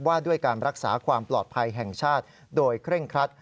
ว่าด้วยการรักษาความปลอดภัยแห่งชาติโดยเคร่งครัด